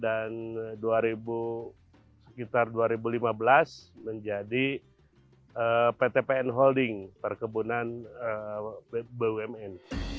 dan sekitar dua ribu lima belas menjadi pt pn holding perkebunan bumn